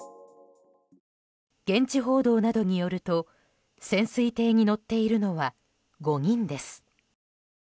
現地報道などによると、潜水艇に乗っているのは５人です。